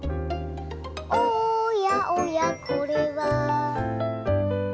「おやおやこれは」